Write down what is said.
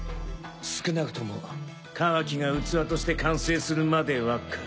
少なくともカワキが器として完成するまではか。